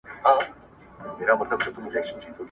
یوه ژاړي بلي خپل ګرېوان څیرلی ,